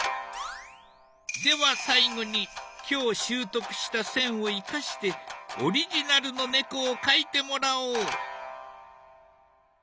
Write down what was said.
では最後に今日習得した線を生かしてオリジナルの猫を描いてもらおう！